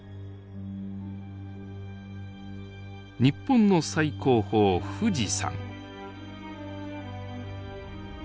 日本の最高峰富士山。